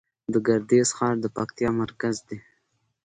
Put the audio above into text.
د ګردیز ښار د پکتیا مرکز دی